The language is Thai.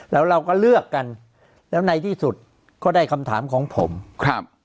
แล้วเราก็เลือกกันแล้วในที่สุดก็ได้คำถามของผมครับ